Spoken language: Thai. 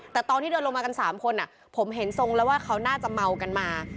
แต่ตอนที่เดินลงมากัน๓คนผมเห็นทรงแล้วว่าเขาน่าจะเมากันมา